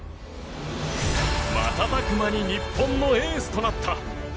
瞬く間に日本のエースとなった。